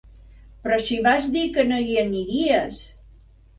Però si vas dir que no hi aniries!